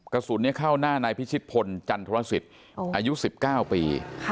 กระสุนเข้าหน้านายพิชิตพลจันทรสิทธิ์อายุ๑๙ปี